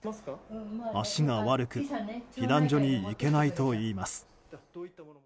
足が悪く避難所に行けないといいます。